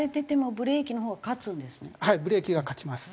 はいブレーキが勝ちます。